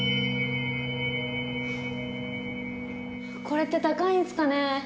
これって高いんすかね？